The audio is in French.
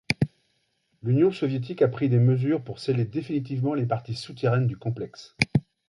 L'Union soviétique a pris des mesures pour sceller définitivement les parties souterraines du complexe.